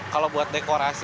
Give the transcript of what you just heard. kalau buat dekorasi